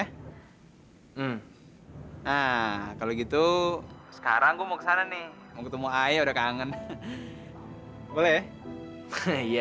nah kalau gitu sekarang gue mau ke sana nih mau ketemu ayah udah kangen boleh